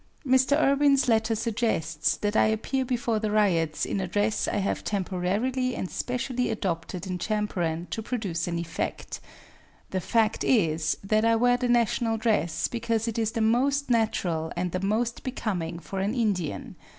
Mr. Irwin's letter suggests that I appear before the ryots in a dress I have temporarily and specially adopted in Champaran to produce an effect. The fact is that I wear the national dress because it is the most natural and the most becoming for an Indian.